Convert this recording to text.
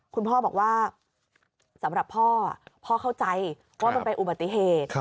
คุณพ่อบอกว่าสำหรับพ่อพ่อเข้าใจว่ามันเป็นอุบัติเหตุ